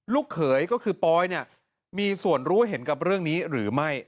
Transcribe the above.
เขยก็คือปอยเนี่ยมีส่วนรู้เห็นกับเรื่องนี้หรือไม่